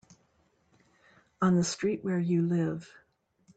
On the street where you live.